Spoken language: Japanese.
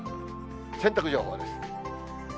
洗濯情報です。